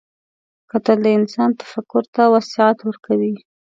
کتل د انسان تفکر ته وسعت ورکوي